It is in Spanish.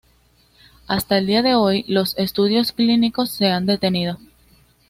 Hasta el día de hoy, los estudios clínicos se han detenido.